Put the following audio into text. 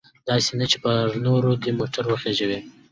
داسې نه چې پر نورو دې موټر وخیژوي.